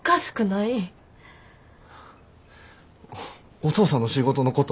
お父さんの仕事のこと